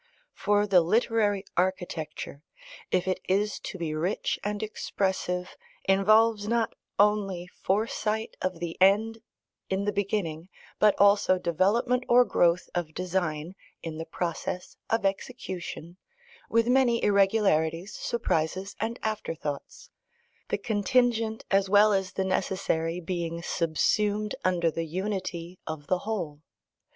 For the literary architecture, if it is to be rich and expressive, involves not only foresight of the end in the beginning, but also development or growth of design, in the process of execution, with many irregularities, surprises, and afterthoughts; the contingent as well as the necessary being subsumed under the unity of the whole.